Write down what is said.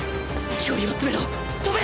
距離を詰めろ飛べ！